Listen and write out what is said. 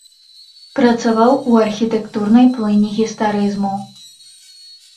Працаваў у архітэктурнай плыні гістарызму.